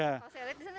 kalau saya lihat di sana